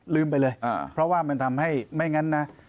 ลืมไปเลยเพราะว่ามันทำให้ไม่งั้นนะ